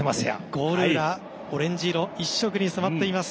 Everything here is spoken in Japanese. ゴール裏がオレンジ色一色に染まっています。